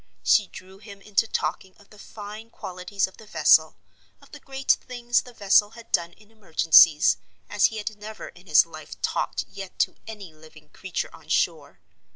She drew him into talking of the fine qualities of the vessel, of the great things the vessel had done in emergencies, as he had never in his life talked yet to any living creature on shore.